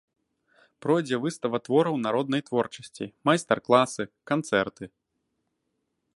Пройдзе выстава твораў народнай творчасці, майстар-класы, канцэрты.